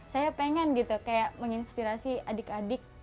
saya pengen gitu kayak menginspirasi adik adik